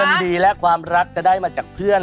ดีและความรักจะได้มาจากเพื่อน